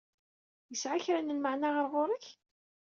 Yesɛa kra n lmeɛna ɣer ɣur-k?